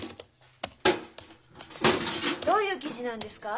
どういう記事なんですか？